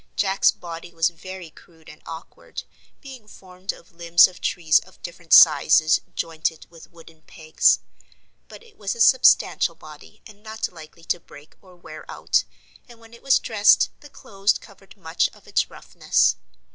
Jack's body was very crude and awkward, being formed of limbs of trees of different sizes, jointed with wooden pegs. But it was a substantial body and not likely to break or wear out, and when it was dressed the clothes covered much of its roughness.